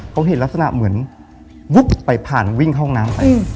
เขาเห็นลักษณะเหมือนวุบไปผ่านวิ่งเข้าห้องน้ำไป